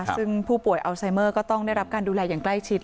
ซึ่งผู้ป่วยอัลไซเมอร์ก็ต้องได้รับการดูแลอย่างใกล้ชิด